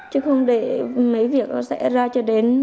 chứ không để mấy việc nó sẽ ra cho đến